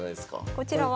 こちらは？